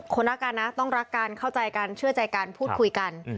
รักกันนะต้องรักกันเข้าใจกันเชื่อใจกันพูดคุยกัน